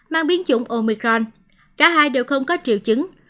mang biến chủng omicron cả hai đều không có triệu chứng